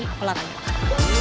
jangan lupa latihan